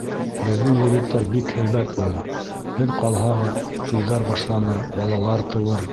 Беҙҙең егеттәр бик һәйбәт ул. Һеҙ ҡалһағыҙ, туйҙар башланыр, балалар тыуыр.